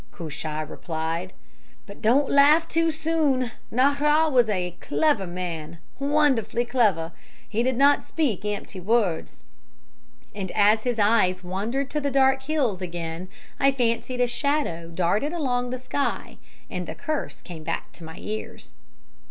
Cushai replied. "'But don't laugh too soon. Nahra was a clever man, wonderfully clever; he did not speak empty words,' and as his eyes wandered to the dark hills again I fancied a shadow darted along the sky, and the curse came back to my ears.